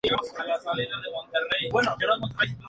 Bundesliga Sur.